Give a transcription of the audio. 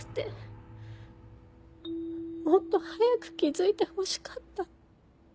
もっと早く気付いてほしかった。